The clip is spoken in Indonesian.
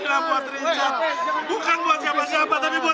dan juga melihat status gc atau justice collaboration